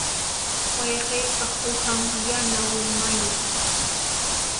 Wayqiypaq uhan yana willmayuq.